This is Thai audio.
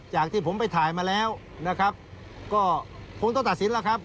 จากที่ผมไปถ่ายมาแล้วนะครับก็คงต้องตัดสินแล้วครับ